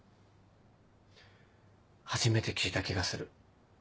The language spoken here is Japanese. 初めて聞いた気がする。